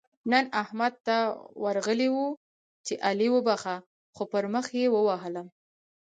نن احمد ته ورغلی وو؛ چې علي وبښه - خو پر مخ يې ووهلم.